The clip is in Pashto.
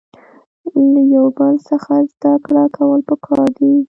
له یو بل څخه زده کړه کول پکار دي.